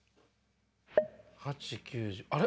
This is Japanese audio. ８、９、１０あれ？